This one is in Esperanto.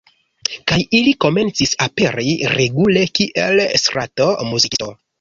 Kaj ili komencis aperi regule kiel strato muzikisto.